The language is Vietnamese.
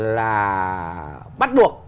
là bắt buộc